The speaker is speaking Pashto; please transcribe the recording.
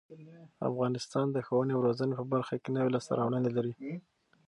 افغانستان د ښوونې او روزنې په برخه کې نوې لاسته راوړنې لري.